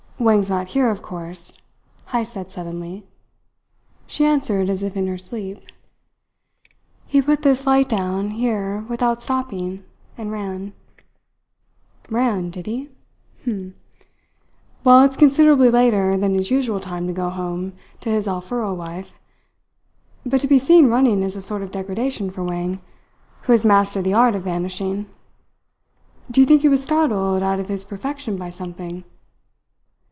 "Wang's not here, of course?" Heyst said suddenly. She answered as if in her sleep. "He put this light down here without stopping, and ran." "Ran, did he? H'm! Well, it's considerably later than his usual time to go home to his Alfuro wife; but to be seen running is a sort of degradation for Wang, who has mastered the art of vanishing. Do you think he was startled out of his perfection by something?"